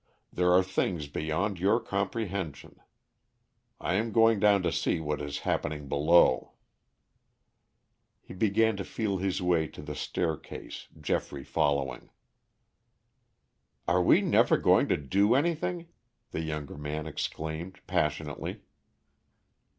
There are things beyond your comprehension. I am going down to see what is happening below." He began to feel his way to the staircase, Geoffrey following. "Are we never going to do anything?" the younger man exclaimed passionately.